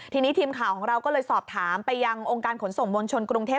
ทีนี้ทีมข่าวของเราก็เลยสอบถามไปยังองค์การขนส่งมวลชนกรุงเทพ